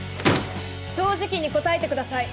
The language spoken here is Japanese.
正直に答えてください。